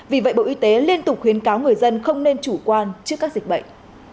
vì vậy bộ y tế liên tục khuyến cáo người dân không nên chủ quan trước các dịch bệnh